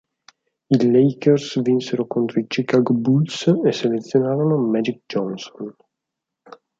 I Lakers vinsero contro i Chicago Bulls e selezionarono Magic Johnson.